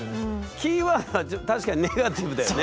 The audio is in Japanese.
キーワードは確かにネガティブだよね。